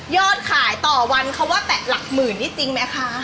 ขายต่อวันเขาว่าแตะหลักหมื่นนี่จริงไหมคะ